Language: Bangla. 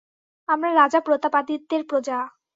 আমরা রাজা প্রতাপাদিত্যের প্রজা।